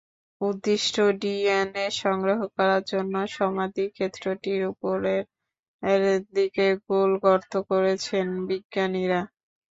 উদ্দিষ্ট DNA সংগ্রহ করার জন্য সমাধিক্ষেত্রটির ওপরের দিকে গোল গর্ত করেছেন বিজ্ঞানীরা।